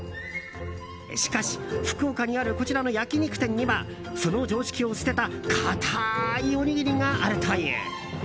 しかし、福岡にあるこちらの焼き肉店にはその常識を捨てた硬いおにぎりがあるという。